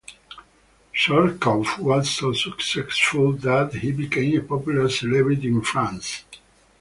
Surcouf was so successful that he became a popular celebrity in France.